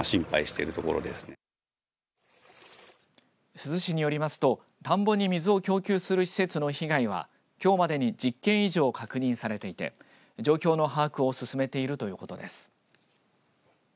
珠洲市によりますと田んぼに水を供給する施設の被害はきょうまでに１０件以上確認されていて状況の把握を進めているということです。